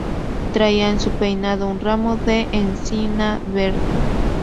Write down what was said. Traía en su peinado un ramo de encina verde.